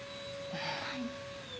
はい。